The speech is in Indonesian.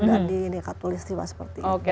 dari katulistiwa seperti ini